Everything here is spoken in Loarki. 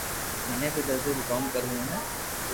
مني بي درزو رون ڪوم سوڙووو ھي